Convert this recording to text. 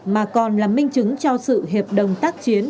mà còn là minh chứng cho sự hiệp đồng tác chiến